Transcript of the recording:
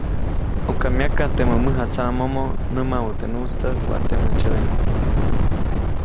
ʼUka myaka teʼmä mäjatsaʼmomo, nämawä teʼ nyuʼstäjk waʼa temä ndsyäʼyu.